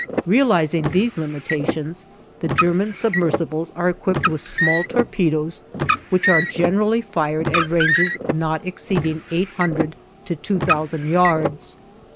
Realizing these limitations, the German submersibles are equipped with small torpedoes, which are generally fired at ranges not exceeding eight hundred to two thousand yards.